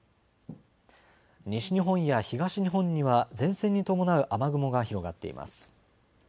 西日本や東日本には前線に伴う雨雲が広がっています。